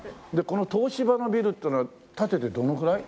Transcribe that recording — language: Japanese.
この東芝のビルっていうのは建ててどのくらい？